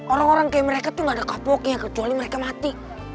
orang orang kayak mereka tuh gak ada kapoknya kecuali mereka mati